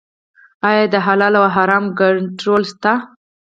آیا د حلال او حرام کنټرول شته؟